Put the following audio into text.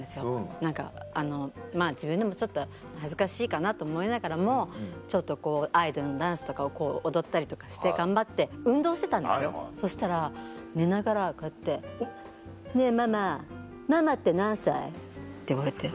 何か自分でもちょっと恥ずかしいかなと思いながらもちょっとこうあえてのダンスとかを踊ったりとかして頑張って運動してたんですよそしたら寝ながらこうやって「ねぇママママって何歳？」って言われて。